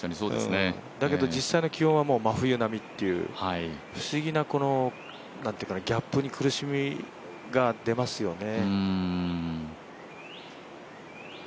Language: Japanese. だけど実際の気温は真冬並みっていう不思議な、ギャップに苦しみが出ますよね。